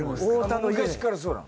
昔からそうなの。